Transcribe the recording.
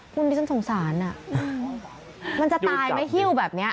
คุณดิฉันสงสารมันจะตายไหมฮิ้วแบบนี้